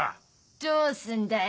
どうすんだよ。